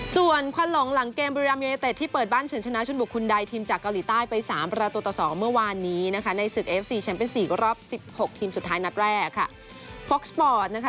ส่วนควันหลงหลังเกมบุรีรัมยูเนเต็ดที่เปิดบ้านเฉินชนะชุดบุคคลใดทีมจากเกาหลีใต้ไปสามประตูต่อสองเมื่อวานนี้นะคะในศึกเอฟซีแชมป์เป็นสี่รอบสิบหกทีมสุดท้ายนัดแรกค่ะฟกสปอร์ตนะคะ